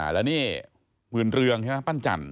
แล้วนี่มื้นเรืองปั่นจันทร์